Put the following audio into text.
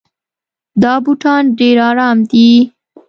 دا بوټان ډېر ارام دي.